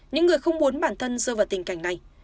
những người không muốn bản thân rơi vào tình cảnh này